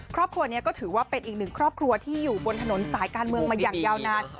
ครอบครัวนี้ก็ถือว่าเป็นอีกหนึ่งครอบครัวที่อยู่บนถนนสายการเมืองมาอย่างยาวนาน